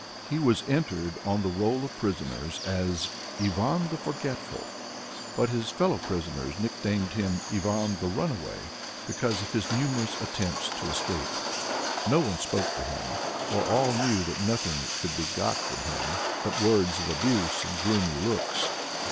He was entered on the roll of prisoners as Ivan the Forgetful, but his fellow prisoners nicknamed him "Ivan the Runaway," because of his numerous attempts to escape. No one spoke to him, for all knew that nothing could be got from him but words of abuse and gloomy looks.